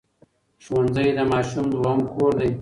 ښوونځی د ماشوم دویم کور دی.